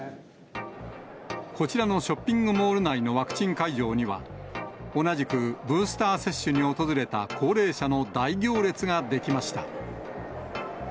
こちらのショッピングモール内のワクチン会場には、同じくブースター接種に訪れた高齢者の大行列が出来ました。